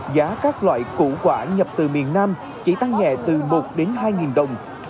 giá các loại củ quả nhập từ miền nam chỉ tăng nhẹ từ một đến hai đồng